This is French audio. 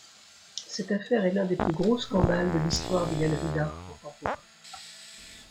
Cette affaire est l'un des plus gros scandales de l'histoire des galeries d'art contemporain.